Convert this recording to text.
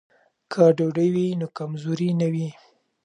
که ډوډۍ وي نو کمزوري نه وي.